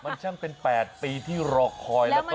มันช่างเป็น๘ปีที่รอคอยแล้วก็